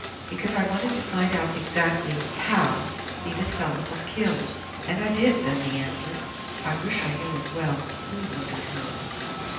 "Because I wanted to find out exactly how Nita Selim was killed and I did," Dundee answered. "I wish I knew as well who murdered her!"